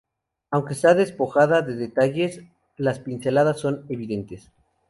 Aunque está despojada de detalles, las pinceladas son evidentes.